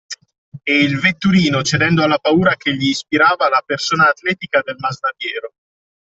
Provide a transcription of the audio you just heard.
E il vetturino cedendo alla paura che gli ispirava la persona atletica del masnadiero